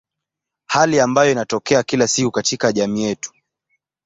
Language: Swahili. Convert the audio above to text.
Hali ambayo inatokea kila siku katika jamii yetu.